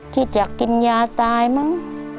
คิดอยากกินยาตายมั้ง